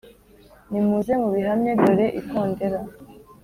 nimuze mubihamye; dore ikondera